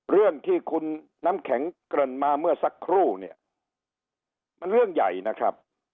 เรื่องที่คุณน้ำแข็งเกริ่นมาเมื่อสักครู่เนี่ยมันเรื่องใหญ่นะครับ